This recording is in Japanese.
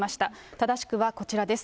正しくはこちらです。